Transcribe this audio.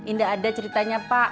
nggak ada ceritanya pa